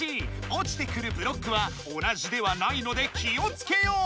おちてくるブロックは同じではないので気をつけよう！